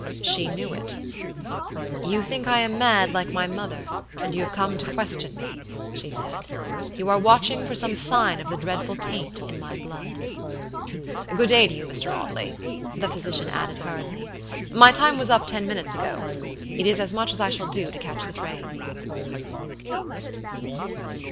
"She knew it. 'You think I am mad like my mother, and you have come to question me,' she said. 'You are watching for some sign of the dreadful taint in my blood.' Good day to you, Mr. Audley," the physician added hurriedly, "my time was up ten minutes ago; it is as much as I shall do to catch the train."